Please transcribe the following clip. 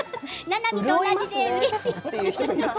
ななみと同じでうれしい。